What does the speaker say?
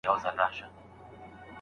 ژر تر ژره له کړکۍ څخه ډبره چاڼ